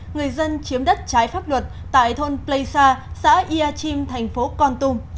người dân chiếm đất trái pháp luật tại thôn pleisa xã iachim thành phố con tum